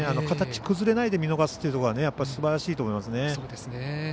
形が崩れないで見逃すというところがすばらしいと思いますね。